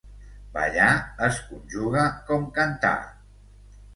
"Ballar" es conjuga com "cantar".